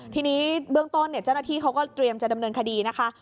ทีนี้เบื้องต้นเจ้าหน้าที่เขาก็เตรียมจะดำเนินคดีนะคะ